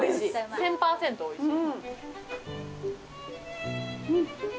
１０００％おいしい。